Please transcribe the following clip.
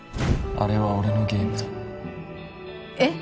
あれは俺のゲームだえっ？